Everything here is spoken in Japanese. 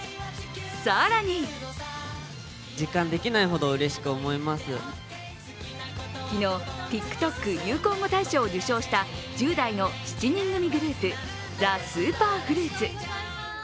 更に昨日、ＴｉｋＴｏｋ流行語大賞を受賞した１０代の７人組グループ、ＴＨＥＳＵＰＰＥＲＦＲＵＩＴ。